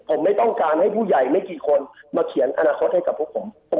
ผมไม่ต้องการให้ผู้ใหญ่ไม่กี่คนมาเขียนอนาคตให้กับพวกผม